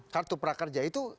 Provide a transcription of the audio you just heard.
kartu prakerja itu